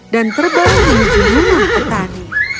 dan terbang ke dunia pertani